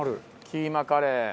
キーマカレー。